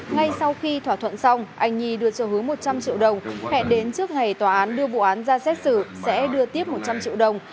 ngay sau khi thỏa thuận xong anh nhi đưa cho hứa một trăm linh triệu đồng hẹn đến trước ngày tòa án đưa vụ án ra xét xử sẽ đưa tiếp một trăm linh triệu đồng